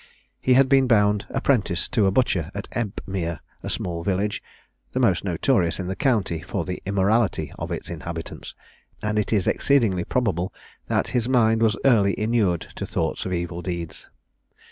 He had been bound apprentice to a butcher at Ebmere, a small village, the most notorious in the county for the immorality of its inhabitants, and it is exceedingly probable that his mind was early inured to thoughts of evil deeds.